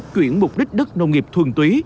chuyển mục đích đất nông nghiệp thuần túy